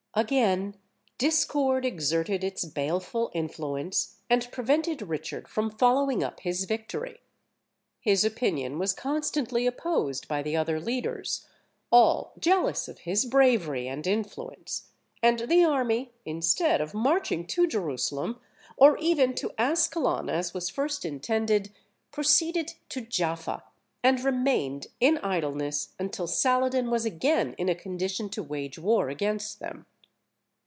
Again discord exerted its baleful influence, and prevented Richard from following up his victory. His opinion was constantly opposed by the other leaders, all jealous of his bravery and influence; and the army, instead of marching to Jerusalem, or even to Ascalon, as was first intended, proceeded to Jaffa, and remained in idleness until Saladin was again in a condition to wage war against them. [Illustration: BETHLEHEM.